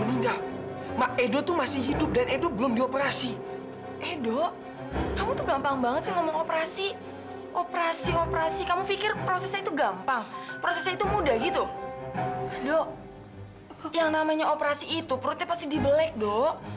itu perutnya pasti di belek do